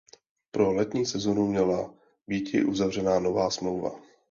Pro letní sezónu měla býti uzavřena nová smlouva.